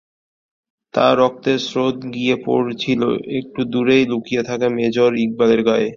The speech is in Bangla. তাঁর রক্তের স্রোত গিয়ে পড়ছিল একটু দূরেই লুকিয়ে থাকা মেজর ইকবালের গায়ে।